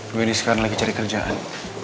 gue ini sekarang lagi cari kerjaan